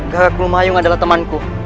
gagak lumayung adalah temanku